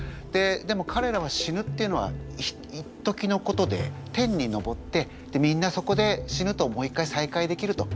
でもかれらは死ぬっていうのはいっときのことで天にのぼってみんなそこで死ぬともう一回さいかいできると。